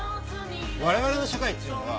我々の社会っていうのは。